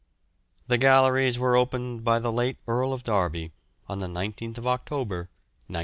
The galleries were opened by the late Earl of Derby on the 19th October, 1906.